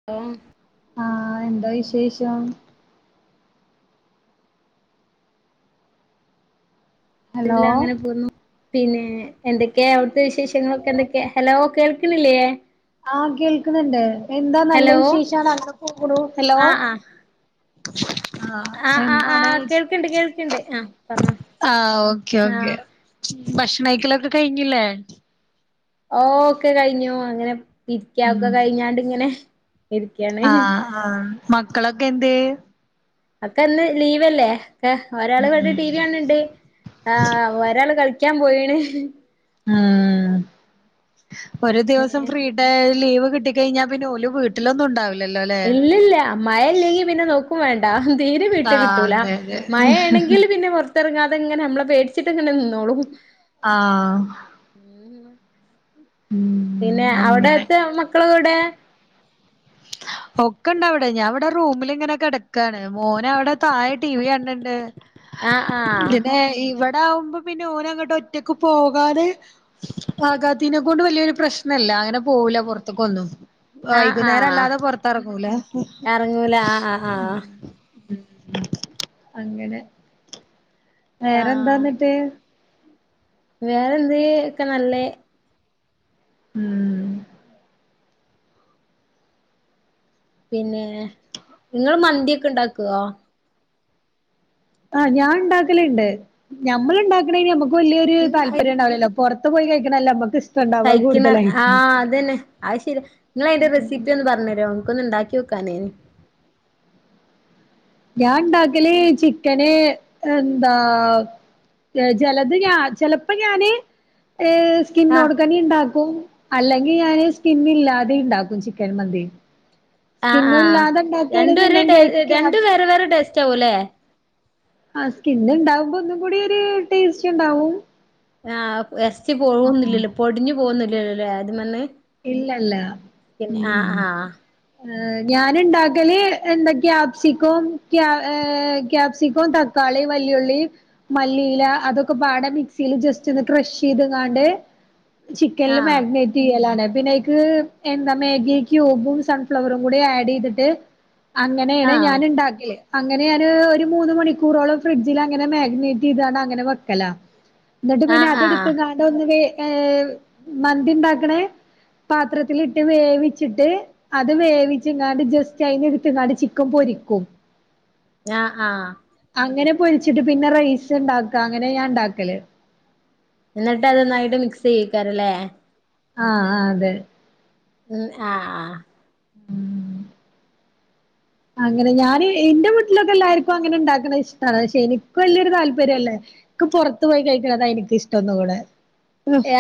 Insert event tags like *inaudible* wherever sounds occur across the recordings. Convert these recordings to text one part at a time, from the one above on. *inaudible* ആ എന്താ വിശേഷം? ഇല്ല ഹലോ അങ്ങനെ പോന്നു പിന്നെ എന്തൊക്കെയാ അവിടുത്തെ വിശേഷങ്ങളൊക്കെ എന്തൊക്കെ ഹലോ കേൾക്കണില്ല്യേ? ആ കേൾക്ക്ന്നിണ്ട് എന്താ നല്ല ഹലോ വിശേഷാണ് അങ്ങനെ പോകുണൂ ഹലോ ആഹ് ആഹ് *inaudible* ആ ആഹ് ആഹ് എന്താണ് ആഹ് കേൾക്കണ്ട് കേൾക്കണ്ട് ആഹ് പറഞ്ഞോ ആ ഓക്കെ ഓക്കെ ആഹ് ഭക്ഷണയ്ക്കലൊക്കെ കഴിഞ്ഞില്ലേ? ഓ ഒക്കെ കഴിഞ്ഞു അങ്ങനെ ഇരിക്ക ഒക്കെ ഉം കഴിഞ്ഞാണ്ട് ഇങ്ങനെ ഇരിക്കാണ് ആഹ് ആഹ് മക്കളൊക്കെ എന്തിയേ അവക്ക്ന്ന് ലീവല്ലേ? ഒരാള് ഇവടെ ഉം ടി വി കാണിണ്ട് ആ ഒരാള് കളിക്കാൻ പോയിണ് ആഹ് ഒര് ദിവസം ഏഹ് ഫ്രീ ട്ടെ ലീവ് കിട്ടി കഴിഞ്ഞാ പിന്നെ ഒല് വീട്ടിലൊന്നുംണ്ടാവി ഇല്ലല്ല മയ ഇല്ലെങ്കി പിന്നെ നോ ക്കു വേണ്ട തീരെ വീട്ടി ആഹ് കിട്ടൂല അതെ അതെ മയയാണെങ്കിൽ പിന്നെ പോ ത്തെറങ്ങാതെ ഇങ്ങനെ മ്മളെ പെടിച്ചിട്ട് ഇങ്ങനെ നിന്നോളും ആഹ് ഉം പിന്നെ അങ്ങനെ അവടെത്തെ മക്കളെവടെ എവടെ? ഒക്കെ ഇണ്ട അവടെ ഞാൻ ഇവടെ റൂമിലിങ്ങനെ കെടക്കാണ് മോന് അവടെ താഴെ ടി വി കണണിണ്ട് ആഹ് ആഹ് പിന്നെ ഇവടെ ആവുമ്പോ പിന്നെ ഓന് അങ്ങട്ട് ഒറ്റക്ക് പോകാന് ആകാത്തിനെ കൊണ്ട് വലിയൊരു പ്രശ്നല്ല അങ്ങനെ പോവൂല്ല പൊറത്തൊക്കെന്നും ആഹ് വൈകുന്നേരം ആഹ് അല്ലാതെ പൊറത്തെറങ്ങൂല ഇറങ്ങൂല ആഹ് ആഹ് ആഹ് അങ്ങനെ വേറെന്താ അന്നിട്ട് വേറെ എന്ത് ഒക്കെ നല്ലെ ഉം പിന്നെ നിങ്ങള് മന്തിയൊക്കെ ഇണ്ടാക്കുവോ ആ ഞാൻ ഉണ്ടാക്കലണ്ടിണ്ട് ഞമ്മള് ഇണ്ടാക്കണെന് ഞമക്ക് വല്യയൊര് താല്പര്യം ഉണ്ടാവലല്ലോ പൊർത്ത് പോയി കയിക്കണെല്ല നമുക്ക് ഇ കഴിക്കണ ആഹ് അത് തന്നെ ആ ശരി നിങ്ങള് അയിന്റെ റെസി പ്പി ഒന്ന് പറഞ്ഞ് തരോ നമ്ക്കൊന്ന് ഉണ്ടാക്കി ഒക്കാനെ ഞാൻ ഇണ്ടാക്കല് ചിക്കന് എന്താ ചെലത് ഞാ ചെലപ്പ ഞാന് ഏയ് ആഹ് സ്കിന്നോട്ക്കണ്ണി ഇണ്ടാക്കും അല്ലെങ്കി ഞാന് സ്കിന്നില്ലാതെ ഇണ്ടാക്കും ചിക്കൻ മന്തി ആഹ് സ്കിന്നും ആഹ് ഇല്ലാതെ രണ്ടും ഒരേ ടെ ഇണ്ടാക്കാണെന്നുണ്ടെങ്കിൽ അയ്ക്ക് രണ്ടും ക്യാപ്സ് വേറെ വേറെ ടെസ്റ്റ് ആവുംല്ലേ ആഹ് സ്കിന്ന ഉണ്ടാവുമ്പോ ഒന്നും കൂടി ഒരു ടേസ്റ്റ് ഉണ്ടാവും ആഹ ഇറച്ചി പോവുന്നില്ലല്ലോ പൊടിഞ്ഞു പോകുന്നില്ലല്ലോല്ലേ അത് മന്ന് ഇല്ലല്ല ഉം ആഹ് ഞാന് ഉണ്ടാക്കല് എന്താ ക്യാപ്സിക്കോം ക്യാപ്സിക്കോം തക്ക തക്കാളി വല്ലിയുള്ളി മല്ലിയില അതൊക്കെ പാട മിക്സിൽ ജസ്റ്റ് ഒന്ന് ക്രഷ് ചെയ്ത്ങ്ങാണ്ട് ചിക്കനില് ആഹ് മാഗിനേറ്റ് ചെയ്യലാണ് പിന്നെ അയിലേക്ക് എന്താ മേഗി ക്യൂബും സൺഫ്ലവറും കൂടി ആഡ് ചെയ്തിട്ട് അങ്ങനെയാണ് ഞാൻ ആഹ് ഉണ്ടാക്കിയേ അങ്ങനെ ഞാന് ഒരു മൂന്ന് മണിക്കൂറോളം ഫ്രിഡ്ജിൽ മാഗ്നേറ്റ് ചെയ്താണ് അങ്ങനെ വെക്കല എന്നിട്ട് പിന്നെ ആഹ് അത് എടുത്ത് ആഹ് കാന്ത് മന്തി ഉണ്ടാക്കണേ പാത്രത്തിലിട്ട് വേവിച്ചിട്ട് അത് വേവിച്ച് ഇങ്ങാണ്ട് ജസ്റ്റ് അയിന് എടുത്ത് ഇങ്ങാട്ട ചിക്കൻ പൊരിക്കും ആ ആ അങ്ങനെ പൊരിച്ചിട്ട് പിന്നെ റൈസ് ഉണ്ടാക്ക അങ്ങനെ ഞാൻ ഉണ്ടാക്കല് എന്നിട്ട് അതൊന്നായിട്ട് മിക്സ് ചെയ്യിക്കാരല്ലേ ആ ആ അതെ ഉം ആ ആ ഉം അങ്ങനെ ഞാന് എന്റെ വീട്ടിലൊക്കെ എല്ലാർക്കും അങ്ങനെ ഉണ്ടാക്കണ ഇഷ്ടമാണ് പക്ഷെ എനിക്ക് വലിയൊരു താല്പര്യം അല്ലേ പുറത്ത് പോയി കഴിക്കണത എനിക് ഇഷ്ടം ഒന്നുകൂടെ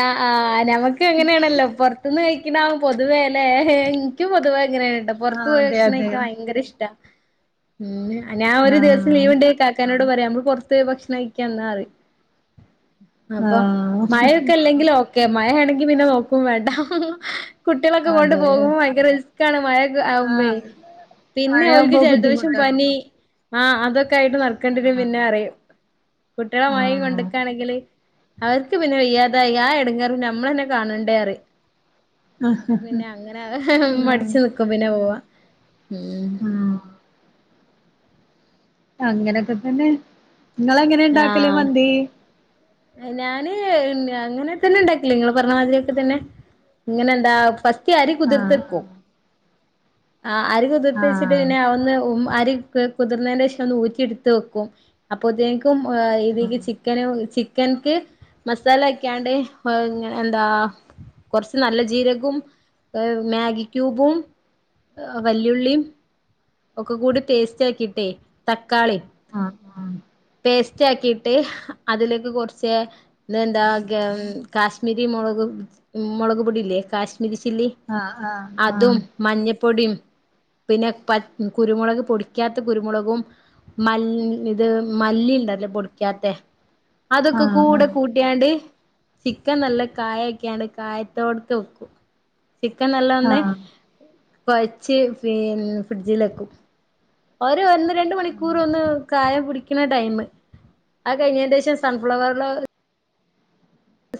ആ ആ ഞമക്ക് അങ്ങനെയാണല്ലോ പുറ പുറത്ത്ന്ന് കഴിക്കുന്നത പൊതുവേ അല്ലെ എനിക്കും പൊതുവെ എങ്ങനെയാണ് പുറത്ത് ആഹ് പോയി അതെ ഭക്ഷണം അതെ കഴിക്കാൻ ഭയങ്കര ഇഷ്ടാ ഉം ഞാൻ ഒരു ദിവസം ആഹ് ലീവ് ഉണ്ട ഇക്കാനോട് പറയാ നമ്മൾ പുറത്ത് ഭക്ഷണം കായിക്കെന്ന അപ്പൊ ആഹ് മഴ ഇല്ലെങ്ക ഓക്കെ മഴയാണെങ്കി പിന്നെ നോക്കും വേണ്ട കുട്ടികളൊക്കെ കൊണ്ട് അതെ പോകുമ്പോ ഭയങ്കര റിസ്ക് ആണ് മഴ ആകുമ്പേ ആഹ് പിന്നെ ഒരിക് മഴയാവുമ്പോ ജലദോഷം ബുദ്ധിമുട്ടാണ് പനി ആഹ് അതൊക്കെ ആയിട്ട് നടക്കണ്ടിരും പിന്നെ ആഹ് അറിയും കുട്ടികള് മഴയും കൊണ്ടക്കുകയാണെങ്കിൽ അവർക്ക് പിന്നെ വയ്യാ അത ആ എടങ്ങേറ് ഞമ്മളന്നെ കാണണ്ടേ അപ്പ പിന്നെ അങ്ങനെ മടിച്ചു ഉം നിക്കും പിന്നെ പോവാ ഉം ഉം അങ്ങനൊക്കെ തന്നെ നിങ്ങള് എങ്ങനെ ഉണ്ടാക്കലേ ആഹ് മന്തി ഞാന് അങ്ങനെ തന്നെ ഉണ്ടാക്കല് നിങ്ങൾ പറഞ്ഞമാതിരിയൊക്കെ തന്നെ ഇങ്ങനെ എന്താ ഫസ്റ്റ് അരി കുതിർത്ത് ആഹ് വെക്കും ആ അരി കുതിർത്ത ആഹ് പിന്നെ ഒന്ന് അരി കുതിർന്നതിന്റെ ശേഷം ഒന്ന് ഊറ്റി എടുത്ത് വെക്കും അപ്പൊ ഇതില് ചിക്കന് ചിക്കൻക്ക് മസാല വെക്കാണ്ട് എന്താ കുറച്ച് നല്ല ജീരകവും മാഗി ക്യൂബും വല്യുള്ളിയും ഒക്കെ കൂടി പേസ്റ്റ് ആക്കിയിട്ടേ തക്കാളി ആഹ ആഹ പേസ്റ്റ് ആക്കിട്ട് അതിലേക്ക് കുറച്ച് ഇ എന്താ കാശ്മീരി മുളക് മുളക് പൊടിയില്ലേ കാശ്മീരി ചില്ലി ആഹ് ആഹ് അതും മഞ്ഞപ്പൊടിയും പിന്നെ കുരുമുളക് പൊടിക്കാത്ത കുരുമുളകും മല്ലി ഇത് മല്ലി ഉണ്ടല്ലേ പൊടിക്കാത്ത ആഹ് അതൊക്കെ ആഹ് കൂടെ കൂട്ടി കട്ടിയാണ്ട് ചിക്കൻ നല്ല കായ ഒക്കെയണ്ട് കായത്തോടൊക്കെ വെക്കും ചിക്കൻ നല്ല ആഹ് വന്ന് ആഹ് കുഴച്ച് പിന്ന ഫ്രിഡ്ജില് വെക്കും ഒരു ഒന്ന് രണ്ട് മണിക്കൂർ ഒന്ന് കായം പിടിക്കണ ടൈം അത് കഴിഞ്ഞെന്റെ ശേഷം സൺഫ്ലവറിലോ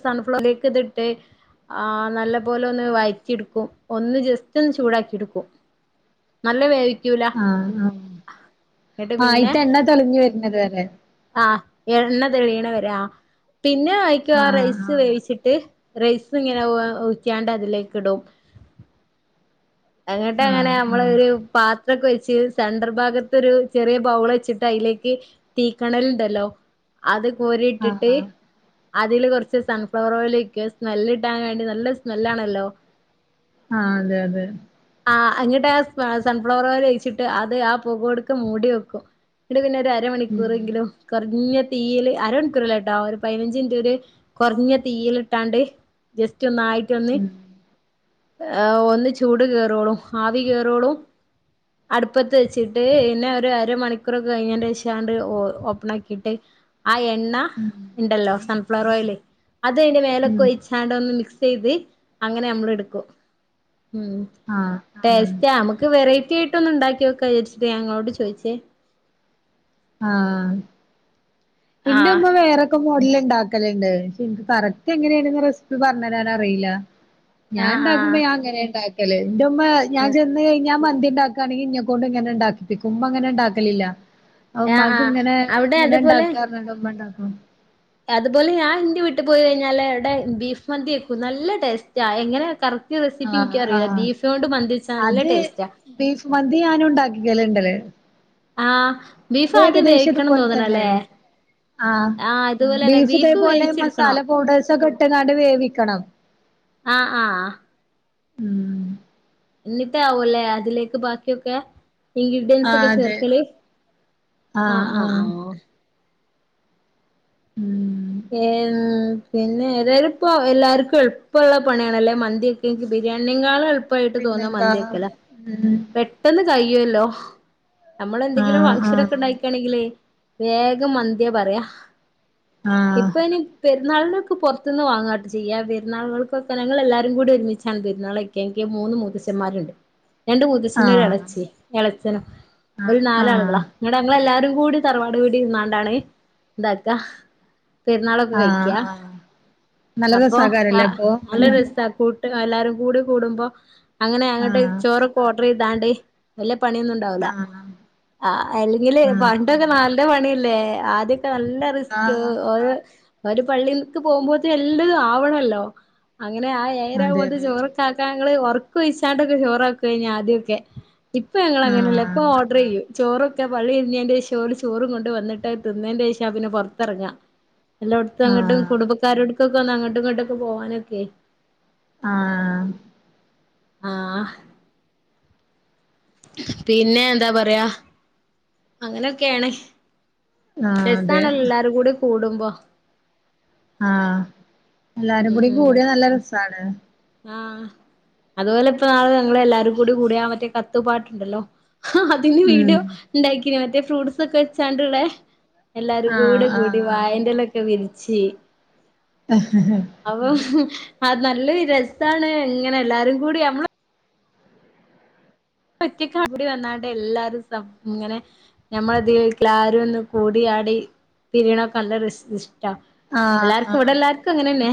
സൺഫ്ലോറിലേക്ക് ഇതിട്ട് ആ നല്ല പോലെ ഒന്ന് വഴറ്റി ഇടുക്കും ഒന്ന് ജസ്റ്റ് ഒന്ന് ചൂടാക്കി ഇടുക്കും നല്ല വേവിക്കൂല ആഹ് ആഹ് ആഹ് എന്നട്ട് ആ പിന്നെ അയിത്തെ എണ്ണ തെളിഞ്ഞു വരുന്നത് വരെ ആഹ എണ്ണ തെളിയണ വരെ ആ പിന്നെ അയിക്ക് ആ ആഹ് റൈസ് ആഹ് വേവിച്ചിട്ട് റൈസ് ഇങ്ങനെ ഒഴിക്കാണ്ട് അതിലേക്ക് ഇടും അങ്ങട്ട അങ്ങനെ നമ്മള് ആഹ് ഒരു പാത്രൊക്കെ വെച്ച് സെന്റർ ഭാഗത്ത് ഒരു ചെറിയ ബൗൾ വെച്ചിട്ട് അതിലേക്ക് തീക്കണലുണ്ടല്ലോ അത് കോരി ആഹ് ഇട്ടിട്ട് ആഹ് അതില് കുറച്ച് സൺഫ്ലവർ ഓയിൽ ഒഴിക്കും അത് സ്മെല് കിട്ടാൻ വേണ്ടി നല്ല സ്മെല്ലാണല്ലോ ആ അതെ അതെ ആഹാ അങ്ങിട്ട് ആ സൺഫ്ലവർ ഓയിൽ ഒഴിച്ചിട്ട് അത് ആ പൊക ഓട്ക്കെ മൂടി വെക്കും എന്നിട്ട് പിന്നെ ഒരു ഉം അരമണിക്കൂറെങ്കിലും കുറഞ്ഞ തീയില് അരമണിക്കൂറല്ലേട്ടോ ഒരു പതിനഞ്ചു മിനിറ്റ് ഒരു കുറഞ്ഞ തീയിൽ ഇട്ടാണ്ട് ജസ്റ്റ് ഒന്നായിട്ടൊന്ന് ഉം ഒന്ന് ചൂട് കേറോളും ആവി കേറോളും അടുപ്പത്ത് വെച്ചിട്ട് പിന്നെ ഒരു അരമണിക്കൂറൊക്കെ കഴിഞ്ഞെന്റെ ശേഷണ്ട് ഓപ്പൺ ആക്കിയിട്ട് ആ എണ്ണ ഇണ്ടല്ലോ സൺഫ്ലവർ ഓയില് അത് അതിന്റെ മേലൊക്കെ ഉം ഒയിച്ചോണ്ട് ഒന്ന് മിക്സ് ചെയ്ത് അങ്ങനെ നമ്മൾ എടുക്കും ഉം ആഹ ടേസ്റ്റാ നമക്ക് വെറൈറ്റി ആയിട്ട് ഒന്ന് ഉണ്ടാക്കി വോക്കാ വിചാരിച്ചട്ട് ഞാൻ ഇങ്ങളോട് ചോദിച്ചേ ആഹ ഇന്റെ ആഹ് ഉമ്മ വേറെ തന്നെ മോഡൽ ഉണ്ടാക്കലുണ്ട്. പക്ഷെ ഇനിക്ക് കറക്റ്റ് എങ്ങനെയാണ്ന്ന് റെസിപ്പി പറഞ്ഞരാൻ അറിയില്ല ഞാൻ ആഹ് ഉണ്ടാക്കുമ്പോ ആഹ് ഞാൻ അങ്ങനെ ഉണ്ടാക്കല് എന്റുമ്മ ഞാൻ ചെന്ന് കഴിഞ്ഞാ മന്തി ഇണ്ടാ ണെങ്കിൽ ഇന്നെ കൊണ്ട് ഇങ്ങന ഉണ്ടാക്കിപ്പിക്കും. ഉമ്മ അങ്ങനെ ഉണ്ടാക്കലില്ല ആഹ് ഉമ്മാക്ക് ആഹ് ഇങ്ങനെ അവിടെ അതുപോലെ ഇങ്ങനെണ്ടാക്കാ പറഞ്ഞാണ്ട് ഉമ്മ ഉണ്ടാകും അതുപോലെ ഞാൻ ഇന്റെ വീട്ടു പോയി കഴിഞ്ഞാല് അവിടെ ബീഫ് മന്തി വെക്കും നല്ല ടേസ്റ്റാ ആ എങ്ങനെയ കറക് റ്റ് റെസിപ്പി ആഹ് എനിക്കറിയില്ല ആഹ് ബീഫ് കൊണ്ട് മന്തിച്ചാ നല്ല അത് ടേസ്റ്റാ ബീഫ് മന്തി ഞാനും ഉണ്ടാക്കികല് ഇണ്ടല് ആഹ ബീഫ് ആദ്യം വേവിക്കണം തോന്നണല്ലേ ആ ആഹ് അതുപോലെന്നെ ബീഫ് ഇതേപോലെ വേവിച്ചെടുക്കണോ മസാല പൗഡേർഴ്സ് ഒക്കെ ഇട്ട് ങ്ങാണ്ട് വേവിക്കണം ആഹ് ആഹ ഉം എന്നിട്ടാവുല്ലേ അതിലേക്ക് ബാക്കിയൊക്കെ ഇൻഗ്രിഡിയൻസ് ഒക്കെ ആഹ് അതെ ചേർക്കല് ആഹാ ആഹ് ആഹാ ആഹ് ആഹാ ഉം ഏഹ് പിന്നെ ഏതായാലും ഇപ്പോ എല്ലാവർക്കും എളുപ്പമുള്ള പണിയണല്ലേ മന്തി വെക്കാ എക്ക് ബിരിയാണിയിനെ കാലും എളുപ്പം ഇപ്പളുപ്പായിട്ട് തോന്ന പിന്നെന്താ മന്തിയക്കെല്ല ഉം പെ പെട്ടെന്ന് കഴിയുവല്ലോ നമ്മളെ ന്തെങ്കിലും ആഹ് ഫംഗഷൻ ഒക്കെ ആഹ് ഉണ്ടായിക്കയാണെങ്കിലേ വേഗം മന്തിയാ പറയാ ആഹ് ഇപ്പ ഇനി പെരുന്നാളനോക്കെ പുറത്തുന്ന് വാങ്ങാട്ടെ ചെയ്യാ പെരുന്നാൾക്കെ നിങ്ങൾ എല്ലാരും കൂടി ഒരുമിച്ചാണ് പെരുന്നാള എനിക്ക് മൂന്ന് മൂത്തച്ചന്മാരുണ്ട് ഉ *inaudible* രണ്ട് മുത്തച്ചനൊരു ഇളച്ചി ഇളച്ചനും ബല് ആഹ് നാലാളുകളാ ആഹ് ഇങ്ങടെ നങ്ങളെ ല്ലാരും കൂടി തറവാട് വീടി ഇരു ന്നാണ്ടാണ് ഇതാക്ക പെരുന്നാളൊക്കെ ആഹ് കഴിക്കാ ആഹ് നല്ല അപ്പൊ രസാകാരല്ലേ അപ്പൊ നല്ല രസ കു എല്ലാരും കൂടി കൂടുമ്പോ അങ്ങനെ അങ്ങട്ട് ആഹ് ചോറൊക്കെ ഓർഡർ ചെയ്താണ്ട് വല്ല്യ പണിയൊന്നും ഉണ്ടാവൂലാ ആഹ് അല്ലെങ്കില് പണ്ടൊക്കെ ആഹ് നല്ല പണി അല്ലേ ആദ്യ നല്ല റിസ്ക് ആഹ് ഒര് ഓര് പള്ളീൽക്ക് പോകുമ്പോത്തിന് എല്ലതും ആവണല്ലോ അങ്ങനെ ആ ഏഴരാ അതെ ആവുമ്പോത്തിന് അതെ ചോറൊക്കെ ആക്കാൻ ഞങ്ങള് ഒർക്ക് ഒഴിച്ചാണ്ടൊക്കെ ചോറാക്കു യ്ഞ്ഞി ആദ്യ ഒക്കെ ഇപ്പൊ ഞങ്ങൾ അങ്ങനെ അല്ല ആഹ് ഇപ്പൊ ഓർഡർ ചെയ്യും ചോറൊക്കെ പള്ളി പിരിഞ്ഞേന്റെ ശേഷം ഓല് ചോറും കൊണ്ട് വന്നിട്ട് അഅ് തിന്നേയ്ന്റെ ശേഷാ പിന്നെ പുറത്തിറങ്ങാ എല്ലോട്‌ത്തും അങ്ങട്ടും ആഹ് കുടുംബക്കാരോട്ക്കൊക്കെ ഒന്ന് അങ്ങട്ടും ഇങ്ങോട്ടൊക്കെ പോവാനൊക്കെ ആഹ് ആഹ് പിന്നെ എന്താ പറയാ അങ്ങനെയൊക്കെയാണ് ആഹ് അതെ രസാണല്ലോ എല്ലാരും കൂടി കൂടുമ്പോ ആഹ് എല്ലാരും ഉം കൂടി ഉം കൂടിയാ നല്ല രസാണ് ആഹ് അതുപോലെ ഇപ്പ നാള് ഞങ്ങള് എല്ലാരും കൂടി കൂടിയാ മറ്റേ കത്ത് പാട്ടുണ്ടല്ലോ അതിന് ഉം വീഡിയോ ഇണ്ടാക്കിനി മറ്റേ ഫ്രൂട്ട്സ് ഒക്കെ വെച്ചാണ്ട്ള്ളെ എല്ലാരും ആഹ് കൂടെ കൂടി ആഹ് വായന്റലൊക്കെ വിരിച്ച് ഉം ഉം അപ്പം അ നല്ല ഒരു രസാണ് ഇങ്ങനെ എല്ലാരും കൂടി അമ്മള് ഒറ്റക്ക് *inaudible* വന്നാണ്ട് എല്ലാരും ഇങ്ങനെ ഞമ്മൾ *unintelligible* ക്കൽ ആരും ഒന്ന് കൂടി ആടി പിരിയണ ഒക്കെ നല്ല ഒരു ഇഷ്ടാ ആഹ് എല്ലാർക്കും ആഹ് ഇവിടെ എല്ലാർക്കും അങ്ങനെന്നെ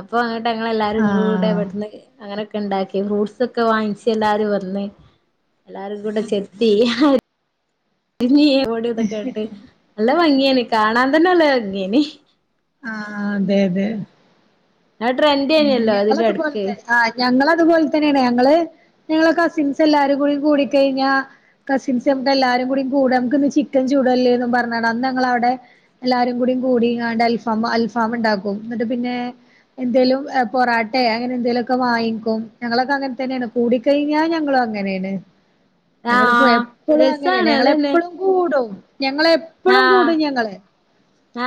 അപ്പൊ അങ്ങട്ട് അങ്ങൾ എല്ലാരും കൂടെ ആഹ് ഇവട്ന്ന് അങ്ങനെയൊക്കെ ഉണ്ടാക്കി ഫ്രൂട്ട്സ് ഒക്കെ വാങ്ങിച്ച് എല്ലാരും വെ ഒന്ന് എല്ലാരും കൂടെ ചെത്തി നീ *inaudible* ഇതൊ കേട്ട് നല്ല ഭംഗിയാണ് കാണാൻ തന്നെ നല്ല ഭംഗിയാണ്ട് ആഹ് അതെ അതെ അഅ് ട്രെൻ ഉം ഞങ്ങളതു പോൽത്തെ ആ ഞങ്ങള അതുപോലെ തന്നെയാണ് ഞങ്ങള് ഞങ്ങളെ കസിൻസ് എല്ലാരും കൂടി കൂടി കഴിഞ്ഞാ കസിൻസ് നമുക്ക് എല്ലാരും കൂടി കൂടാ നമുക്ക് ഇന്ന് ചിക്കൻ ചുട് അല്ലേന്ന് പറഞ്ഞാണ്ട് അന്ന് ഞങ്ങൾ അവിടെ എല്ലാരും കൂടി കൂടിങ്ങാണ്ട് അൽഫാ അൽഫാമ് ഉണ്ടാക്കും എന്നിട്ട് പിന്നെ എന്തേലും പൊറോട്ടെ അങ്ങനെ എന്തേലു ഒക്കെ വാങ്ങിക്കും ഞങ്ങളൊക്കെ അങ്ങനെ തന്നെയാണ് കൂടി കഴിഞ്ഞാൽ ഞങ്ങളും അങ്ങനെയാണ് ഞങ്ങള് ഇപ്പോ ആഹ് എപ്പോളും അങ്ങനെ രസാണ് ഞങ്ങള് അതന്നെ എപ്പൊളും കൂടും ഞങ്ങളെ ഇപ്പളും ആഹ് കൂടും ഞങ്ങള്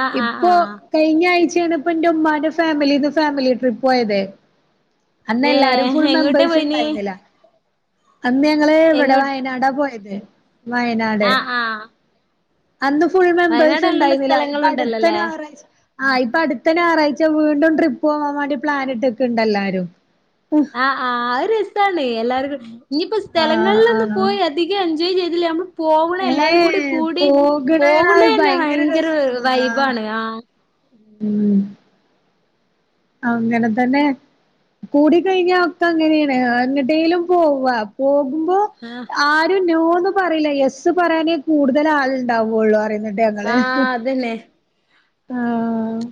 ആഹ് ആഹ് ഇപ്പൊ ആഹ് കഴിഞ്ഞ ആഴ്ചാണ് ഇപ്പ എന്റെ ഉമ്മാന്റെ ഫാമിലിന്ന് ഫാമിലി ട്രിപ്പ് പോയത് അന്ന് എല്ലാരും ഏഹ് ഫുൾ എങ്ങോട്ടാ മെമ്പേഴസ് പോയിനി ഉണ്ടായിന്നില്ല അന്ന് ഞങ്ങള് ഇവിടെ എങ്ങോ വയനാടാ പോയത് വയനാട് ആഹ് ആഹ് അന്ന് ഫുൾ മെമ്പേഴസ് വയനാട് നല്ലല്ല ഉണ്ടായിരുന്നില്ല ഇപ്പൊ അടുത്ത സ്ഥലങ്ങളുണ്ടല്ലോല്ലേ ഞായറാഴ്ച ആഹ് ഇപ്പൊ അടുത്ത ഞായറാഴ്ച വീണ്ടും ട്രിപ്പ് പോവാൻ വേണ്ടി പ്ലാനിട്ട്ക്ക്ണ്ട് എല്ലാരും ആഹ് ആ ആ രസാണ് എല്ലാവർക്കും ഇനിയിപ്പോ ആഹ് സ്ഥലങ്ങളിലൊന്ന് ആഹ് പോയി അധികം എൻജോയ് ചെയ്തില്ലേമ്മ പോവ്ണെ എല്ലാരും ഏഹ് കൂടി പോകണ പോവ്ണെന്നെ, ഭയങ്കര രസാണ് ആഹ് വൈബാണ്. ആഹാ ഉം അങ്ങനെ തന്നെ. കൂടി കഴിഞ്ഞാ ഒക്കെ അങ്ങനെണ് എങ്ങട്ടേലും പോവാ, പോകുമ്പോ? ആഹ ആരും നോന്ന് പറില്ല യെസ്സ് പറയാനേ കൂടുതൽ ആള് ണ്ടാവെള്ളു. അറിയുന്ന ഞങ്ങള്, ഹ്. ആഹ് അതന്നെ ആ.... ഹ്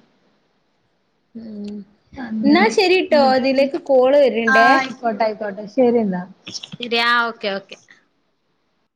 ഉം എന്നാ അങ്ങനെ ശരിട്ടോ. ഇതിലേക്ക് കോള് വര്ണ്ടേ. ട്ടായി അയിക്കൊട്ടെ. ശരിഇന്നാ. രി ആഹ് ഓക്കെ, ഓക്കെ,